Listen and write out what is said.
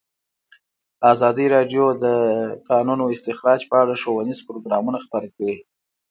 ازادي راډیو د د کانونو استخراج په اړه ښوونیز پروګرامونه خپاره کړي.